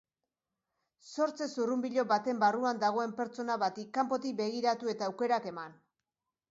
Sortze zurrunbilo baten barruan dagoen pertsona bati kanpotik begiratu eta aukerak eman.